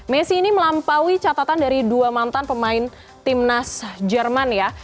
messi ini melampaui catatan dari dua mantan pemain timnas jerman ya